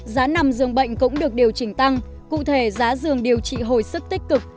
giá nằm dường bệnh cũng được điều chỉnh tăng cụ thể giá dường điều trị hồi sức tích cực